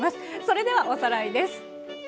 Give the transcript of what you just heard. それではおさらいです。